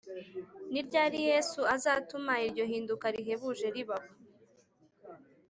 ni ryari yesu azatuma iryo hinduka rihebuje ribaho